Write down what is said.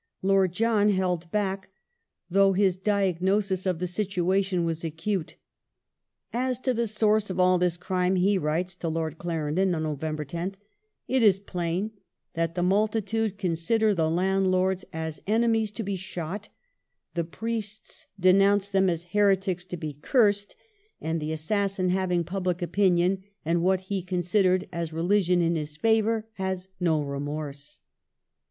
Lord John held back, though his diagnosis of the situation was acute. '' As to the source of all this crime," he writes to Clarendon on November 10th, it is plain that the multitude consider the landlords as enemies to be shot ; the priests denounce them as heretics to be cursed ; apd ^ See supra, c. vi. p. 126, 188 LORD JOHN RUSSELL'S ADMINISTRATION [1846 the assassin, having public opinion and what he considered as re ligion in his favour, has no remorse."